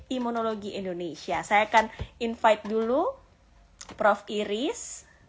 imunologi indonesia saya akan invite dulu prof iris